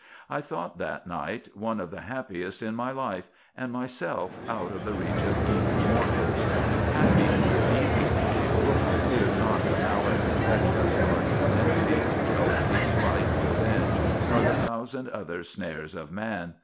I thought that night one of the happiest in my life, and myself out of the reach of evil mortals. Happy in the Elysian Fields, I feared not the malice and treacherous arts of envy, jealousy, spite, revenge, nor the thousand other snares of man.